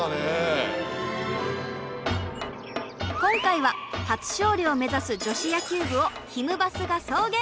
今回は初勝利を目指す女子野球部をひむバスが送迎！